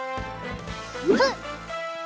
ふっ！